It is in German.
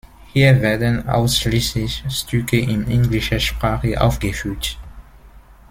Hier werden ausschließlich Stücke in englischer Sprache aufgeführt.